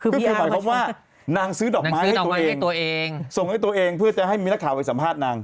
ก็คือหมายความว่านางซื้อดอกไม้ให้ตัวเองส่งให้ตัวเองเพื่อจะให้มีนักข่าวไปสัมภาษณ์นาง